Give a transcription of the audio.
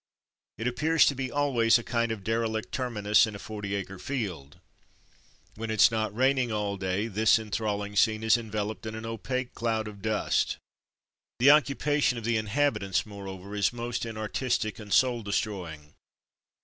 It appears to be always a kind of derelict terminus in a forty acre field. When it's not raining all day this enthralling scene is enveloped in an opaque cloud of dust. The occupation of the inhabitants, more over, is most inartistic and soul destroying.